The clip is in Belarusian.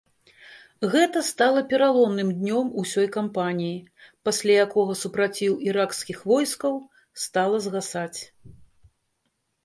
Гэта стала пераломным днём ўсёй кампаніі, пасля якога супраціў іракскіх войскаў стала згасаць.